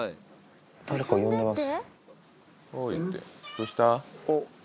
誰か呼んでます。